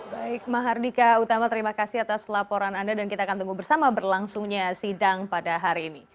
baik mahardika utama terima kasih atas laporan anda dan kita akan tunggu bersama berlangsungnya sidang pada hari ini